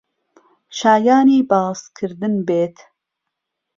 شایانی باسکردن بێت